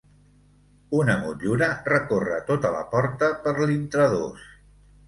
Una motllura recorre tota la porta per l'intradós.